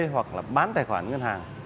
hoặc là bán tài khoản ngân hàng